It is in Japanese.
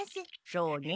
そうね。